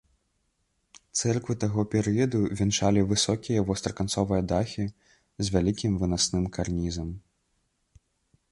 Цэрквы таго перыяду вянчалі высокія востраканцовыя дахі з вялікім вынасным карнізам.